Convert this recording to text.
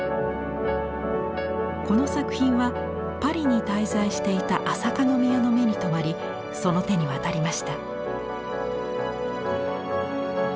この作品はパリに滞在していた朝香宮の目に留まりその手に渡りました。